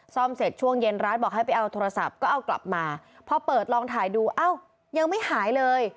ซ่อมเสร็จช่วงเย็นร้านบอกให้ไปเอาโทรศัพท์ก็เอากลับมาพอเปิดลองถ่ายดูอ้าวยังไม่หายเลย